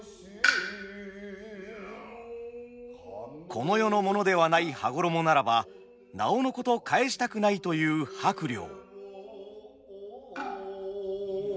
「この世のものではない羽衣ならばなおのこと返したくない」という伯了。